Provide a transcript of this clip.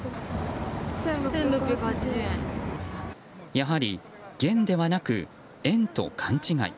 やはり元ではなく円と勘違い。